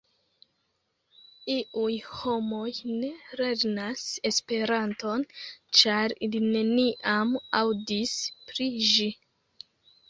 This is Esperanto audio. Iuj homoj ne lernas Esperanton, ĉar ili neniam aŭdis pri ĝi.